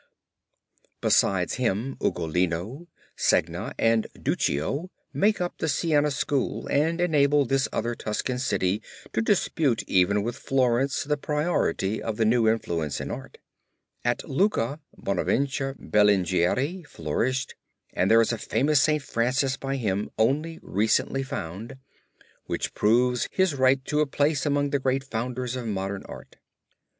Besides him Ugolino, Segna and Duccio make up the Siena school and enable this other Tuscan city to dispute even with Florence the priority of the new influence in art. At Lucca Bonaventure Berlinghieri flourished and there is a famous St. Francis by him only recently found, which proves his right to a place among the great founders of modern art.